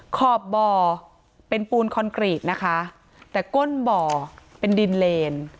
ขอบบ่อเป็นปูนคอนกรีตนะคะแต่ก้นบ่อเป็นดินเลน